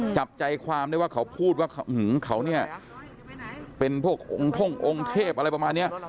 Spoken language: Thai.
จับใจความได้ว่าเขาพูดว่าเขาเนี่ยเป็นพวกองค์ท่งองค์เทพอะไรประมาณนี้